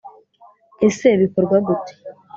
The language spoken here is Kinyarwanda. Ese Bikorwa gute